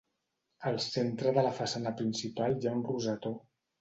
Al centre de la façana principal hi ha un rosetó.